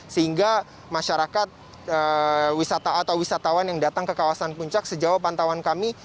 sehingga masyarakat wisata atau wisatawan yang datang ke kawasan puncak sejauh pantauan kami